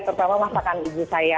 terutama masakan ibu saya